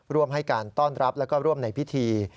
ร่วมให้การต้อนรับแล้วก็ร่วมในพิธี